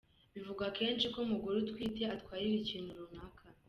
Bivugwa kenshi ko umugore utwite atwarira ikintu runaka.